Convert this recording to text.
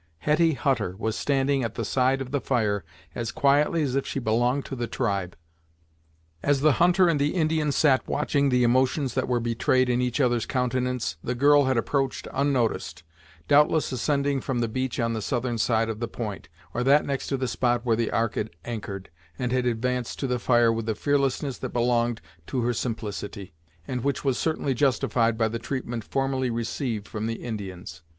Hetty Hutter was standing at the side of the fire as quietly as if she belonged to the tribe. As the hunter and the Indian sat watching the emotions that were betrayed in each other's countenance, the girl had approached unnoticed, doubtless ascending from the beach on the southern side of the point, or that next to the spot where the Ark had anchored, and had advanced to the fire with the fearlessness that belonged to her simplicity, and which was certainly justified by the treatment formerly received from the Indians.